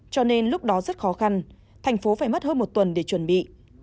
cho nên lúc đó rất khó khăn thành phố phải mất hơn một tuần để chuẩn bị